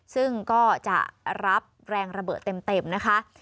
ซึ่งก็จะรับแรงระเบิดเต็มนะคะ